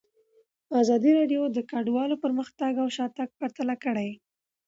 ازادي راډیو د کډوالو پرمختګ او شاتګ پرتله کړی.